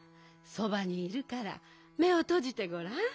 そばにいるからめをとじてごらん。